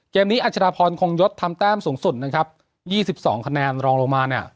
นี้อัชดาพรคงยศทำแต้มสูงสุดนะครับยี่สิบสองคะแนนรองลงมาเนี่ย